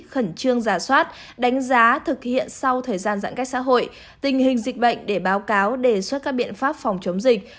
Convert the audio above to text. khẩn trương giả soát đánh giá thực hiện sau thời gian giãn cách xã hội tình hình dịch bệnh để báo cáo đề xuất các biện pháp phòng chống dịch